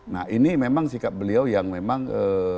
nah ini memang sikap beliau yang memang